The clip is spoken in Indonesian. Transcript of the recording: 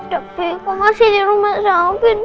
tapi kok masih di rumah sakit